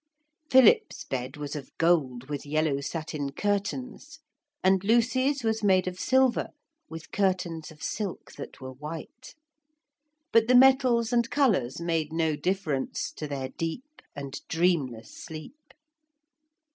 Philip's bed was of gold with yellow satin curtains, and Lucy's was made of silver, with curtains of silk that were white. But the metals and colours made no difference to their deep and dreamless sleep.